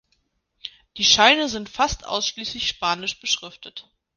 Die Scheine sind fast ausschließlich spanisch beschriftet.